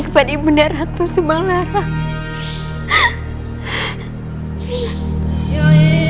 kepada ibu nda ratu simang lara